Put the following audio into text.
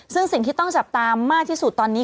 ซึ่งสิ่งที่ต้องจับตามมากที่สุดตอนนี้